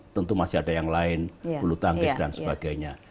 tentu masih ada yang lain bulu tangkis dan sebagainya